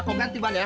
kau ganti ban ya